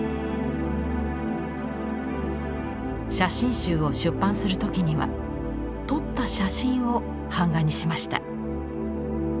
写真集を出版する時には撮った写真を版画にしました。